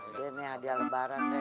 udah deh nih hadiah lebaran nih